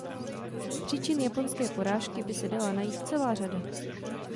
Příčin japonské porážky by se dala najít celá řada.